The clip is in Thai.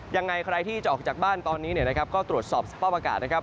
ยังไงใครที่จะออกจากบ้านตอนนี้ก็ตรวจสอบสภาพอากาศนะครับ